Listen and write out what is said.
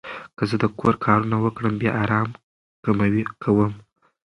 که زه د کور کارونه وکړم، بیا آرام کوم.